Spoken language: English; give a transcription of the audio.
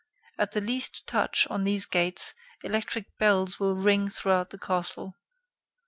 At the least touch on these gates, electric bells will ring throughout the castle.